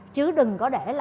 chứ đừng có để là ngập ngùi